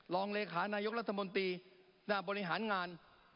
รองเลขานายกรัฐมนตรีหน้าบริหารงาน